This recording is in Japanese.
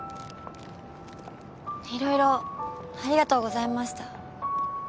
色々ありがとうございました。